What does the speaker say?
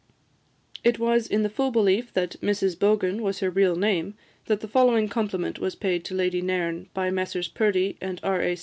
It was in the full belief that "Mrs Bogan" was her real name, that the following compliment was paid to Lady Nairn by Messrs Purdie and R. A.